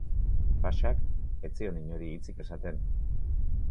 Pashak ez zion inori hitzik esaten.